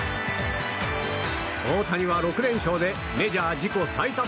大谷は６連勝でメジャー自己最多